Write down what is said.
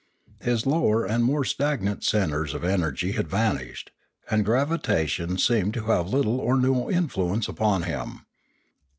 His lower and more stagnant centres of energy had van ished; and gravitation seemed to have little or no in fluence upon him.